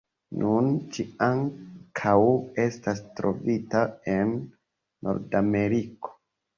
Nun ĝi ankaŭ estas trovita en Nordameriko.